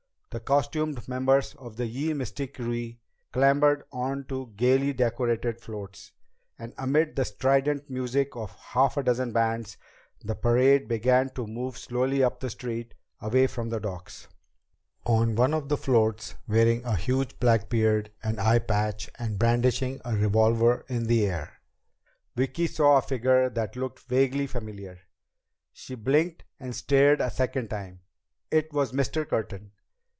The costumed members of Ye Mystic Krewe clambered onto gaily decorated floats, and amid the strident music of half a dozen bands, the parade began to move slowly up the street away from the docks. On one of the floats, wearing a huge black beard, an eye patch, and brandishing a revolver in the air, Vicki saw a figure that looked vaguely familiar. She blinked and stared a second time. It was Mr. Curtin!